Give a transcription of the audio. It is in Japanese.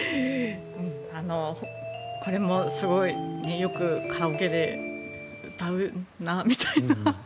これもすごいよくカラオケで歌うなみたいな。